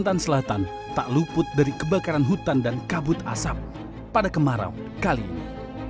kalimantan selatan tak luput dari kebakaran hutan dan kabut asap pada kemarau kali ini